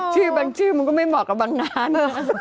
ชื่อบางชื่อมันก็ไม่เหมาะกับบางนาน